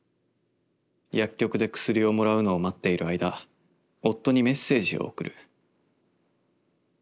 薬局で薬をもらうのを待っている間夫にメッセージを送る」。